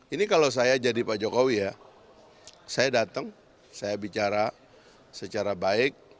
ini kalau saya jadi pak jokowi ya saya datang saya bicara secara baik